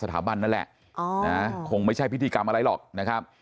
นั่นแหละคงไม่ใช่พิธีกรรมอะไรหรอกนะครับ